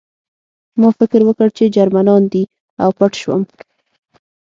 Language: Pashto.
ما فکر وکړ چې جرمنان دي او پټ شوم